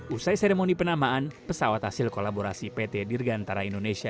usai seremoni penamaan pesawat hasil kolaborasi pt dirgantara indonesia